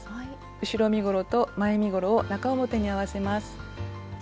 後ろ身ごろと前身ごろを中表に合わせます。